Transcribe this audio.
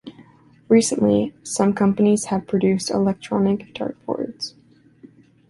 Recently, some companies have produced electronic dartboards.